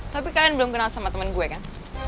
tapi kalian belum kenal sama temen gue kan